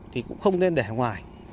thì cũng không nên để ở ngoài